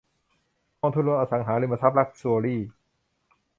กองทุนรวมอสังหาริมทรัพย์ลักซ์ชัวรี่